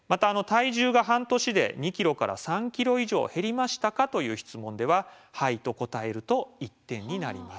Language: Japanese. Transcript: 「体重が半年で２ｋｇから３ｋｇ以上減りましたか」という質問では「はい」と答えると１点になります。